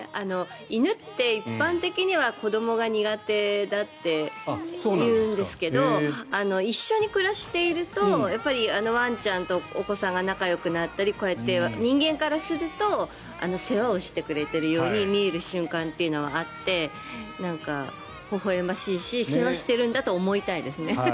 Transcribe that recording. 犬って一般的には子どもが苦手だっていうんですけど一緒に暮らしているとワンちゃんとお子さんが仲よくなったりこうやって人間からすると世話をしてくれてるように見える瞬間というのはあってほほ笑ましいし世話しているんだと思いたいですね。